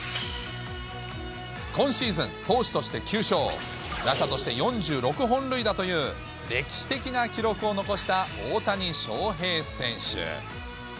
今シーズン、投手として９勝、打者として４６本塁打という歴史的な記録を残した大谷翔平選手。